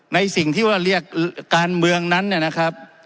ในสิ่งที่ว่าเรียกการเมืองนั้นเนี่ยนะครับ